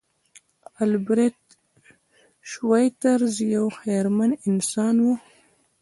البرټ شوایتزر یو خیرمن انسان و.